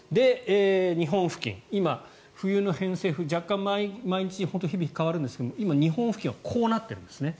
日本付近、今、冬の偏西風若干毎日、日々変わるんですが今、日本付近はこうなってるんですね。